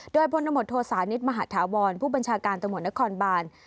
โดยผลละบทโทรสารณิชย์มหาฐาวรผู้บัญชาการตำรวจนครบาน